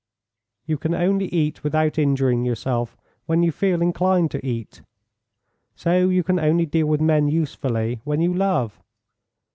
You can only eat without injuring yourself when you feel inclined to eat, so you can only deal with men usefully when you love.